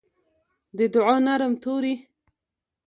د دوعا نرم توري